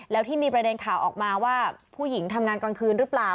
แล้วที่มีประเด็นข่าวออกมาว่าผู้หญิงทำงานกลางคืนหรือเปล่า